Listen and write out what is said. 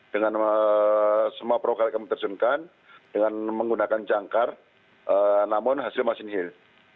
dengan semua perawak karet yang kami terjunkan dengan menggunakan jangkar namun hasilnya masih nihil